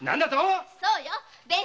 そうよ！